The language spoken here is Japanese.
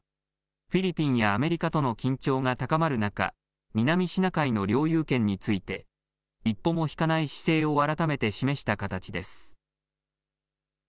フィリピンやアメリカとの緊張が高まる中、南シナ海の領有権について一歩も引かない姿勢を改めて示した形です。